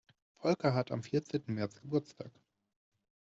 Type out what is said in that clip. Volker hat am vierzehnten März Geburtstag.